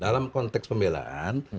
dalam konteks pembelaan